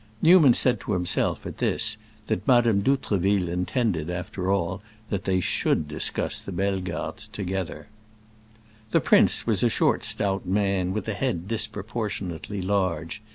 Newman said to himself, at this, that Madame d'Outreville intended, after all, that they should discuss the Bellegardes together. The prince was a short, stout man, with a head disproportionately large.